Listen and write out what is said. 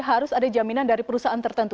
harus ada jaminan dari perusahaan tertentu